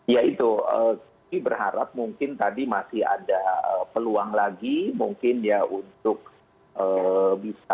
ya itu berharap mungkin tadi masih ada peluang lagi mungkin ya untuk bisa